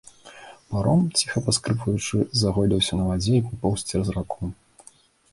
Паром, ціха паскрыпваючы, загойдаўся на вадзе і папоўз цераз раку.